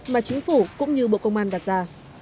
mà chính phủ cũng như bộ công an đặt ra